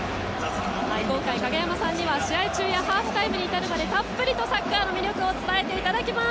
今回、影山さんには試合中やハーフタイムに至るまでたっぷりとサッカーの魅力を伝えてもらいます。